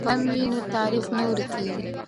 که قلم وي نو تاریخ نه ورکېږي.